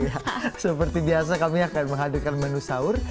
ya seperti biasa kami akan menghadirkan menu sahur